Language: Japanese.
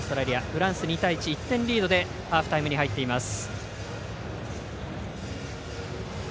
フランス、２対１でハーフタイムに入っています。